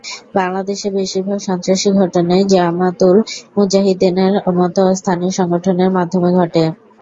বাংলাদেশে বেশির ভাগ সন্ত্রাসী ঘটনাই জামাআতুল মুজাহিদীনের মতো স্থানীয় সংগঠনের মাধ্যমে ঘটে।